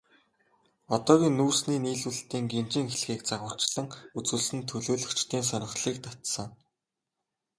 Одоогийн нүүрсний нийлүүлэлтийн гинжин хэлхээг загварчлан үзүүлсэн нь төлөөлөгчдийн сонирхлыг татсан.